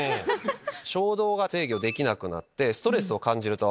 衝動が制御できなくなってストレスを感じると。